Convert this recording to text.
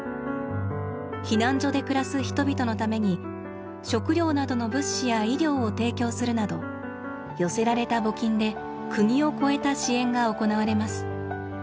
避難所で暮らす人々のために食料などの物資や医療を提供するなど寄せられた募金で国を超えた支援が行われます。